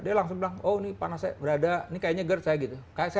dia langsung bilang oh ini panas saya berada ini kayaknya gerd saya gitu